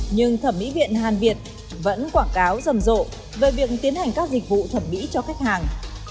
nhưng thẩm mỹ viện hàn việt vẫn quảng cáo rầm rộ về việc tiến hành các dịch vụ thẩm mỹ cho khách hàng